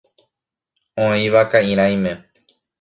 Oĩva ka'irãime.